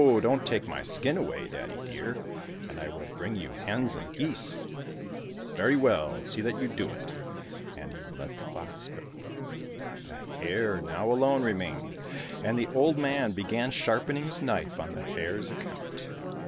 don't take my skin away, daddy dear, and I will bring you hens and geese." —" Very well, see that you do it !" and he let the fox go. The hare now alone remained, and the old man began sharpening his knife on the hare's account.